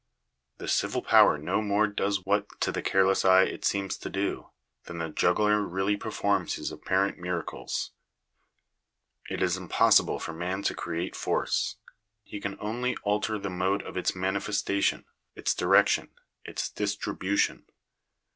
| The civil power no more does what to the oareless eye it seems to do, than the juggler really performs his apparent miracles. It is impossible for man to create force. He can only alter the mode of its manifestation, its direction, its distribution.